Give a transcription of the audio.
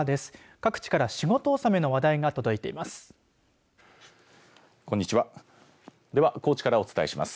各地から仕事納めの話題が届いています。